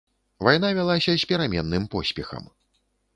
Вайна вялася з пераменным поспехам.